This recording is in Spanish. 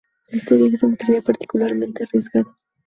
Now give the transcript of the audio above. Este viaje se mostraría particularmente arriesgado.